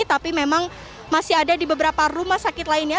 tapi memang masih ada di beberapa rumah sakit lainnya